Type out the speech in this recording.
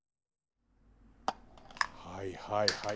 はいはいはい。